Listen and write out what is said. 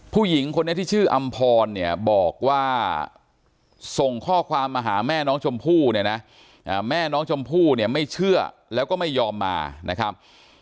ผู้หญิงคนนี้ที่ชื่ออำพรเนี่ยบอกว่าส่งข้อความมาหาแม่น้องชมพู่เนี่ยนะแม่น้องชมพู่เนี่ยไม่เชื่อแล้วก็ไม่ยอมมานะครับ